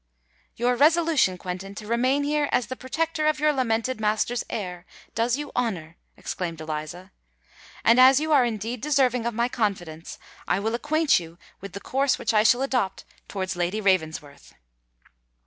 "Your resolution, Quentin, to remain here as the protector of your lamented master's heir, does you honour," exclaimed Eliza. "And, as you are indeed deserving of my confidence, I will acquaint you with the course which I shall adopt towards Lady Ravensworth.